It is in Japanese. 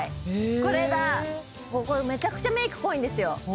これめちゃくちゃメイク濃いんですよ。